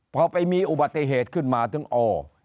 พอไปมีอุบัติเหตุขึ้นมาถึงอ